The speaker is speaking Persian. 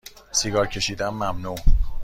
سیگار کشیدن ممنوع